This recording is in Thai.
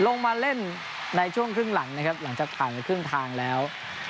ลงมาเล่นในช่วงครึ่งหลังนะครับหลังจากผ่านไปครึ่งทางแล้ว